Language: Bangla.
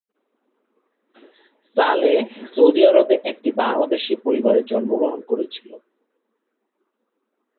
সালেহ সৌদি আরবে একটি বাংলাদেশী পরিবারে জন্মগ্রহণ করেছিলেন।